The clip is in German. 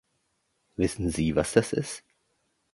Wissen Sie, was das ist?